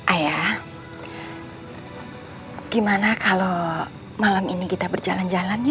ayah gimana kalau malam ini kita berjalan jalan